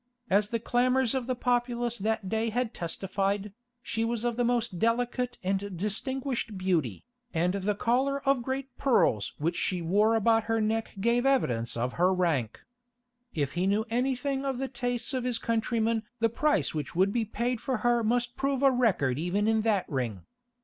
As the clamours of the populace that day had testified, she was of the most delicate and distinguished beauty, and the collar of great pearls which she wore about her neck gave evidence of her rank. If he knew anything of the tastes of his countrymen the price which would be paid for her must prove a record even in that ring.